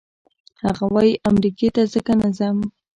هغه وايي امریکې ته ځکه نه ځم.